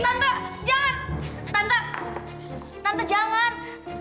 tante jangan tante tante jangan